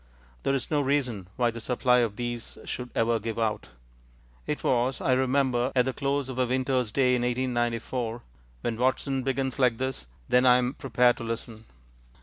There is no reason why the supply of these should ever give out. "It was, I remember, at the close of a winter's day in 1894" when Watson begins like this, then I am prepared to listen.